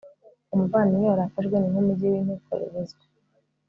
umuvandimwe warakajwe ni nk'umugi w'intikorerezwa